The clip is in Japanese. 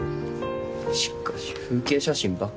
しかし風景写真ばっか。